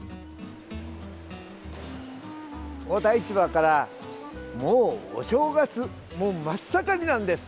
大田市場からもうお正月真っ盛りなんです。